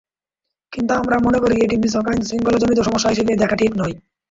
কিন্তু আমরা মনে করি এটি নিছক আইনশৃঙ্খলাজনিত সমস্যা হিসেবে দেখা ঠিক নয়।